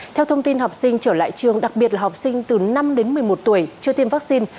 theo thông tin học sinh trở lại trường đặc biệt là học sinh từ năm đến một mươi một tuổi chưa tiêm vaccine